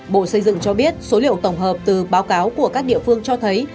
bộ xây dựng cho biết số liệu tổng hợp từ báo cáo của các địa phương cho thấy